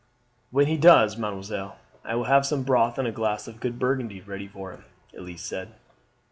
"When he does, mademoiselle, I will have some broth and a glass of good burgundy ready for him," Elise said.